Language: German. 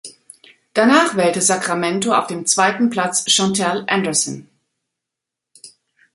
Danach wählte Sacramento auf dem zweiten Platz Chantelle Anderson.